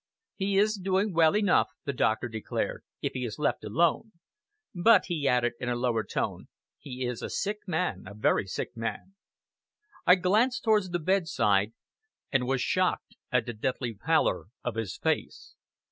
"He is doing well enough," the doctor declared, "if he is left alone. But," he added, in a lower tone, "he is a sick man a very sick man." I glanced towards the bedside, and was shocked at the deathly pallor of his face.